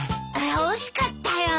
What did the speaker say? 惜しかったよ。